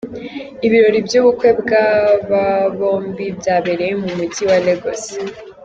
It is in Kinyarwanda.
Ibirori by’ubukwe bw’aba bombi byabereye mu Mujyi wa Lagos.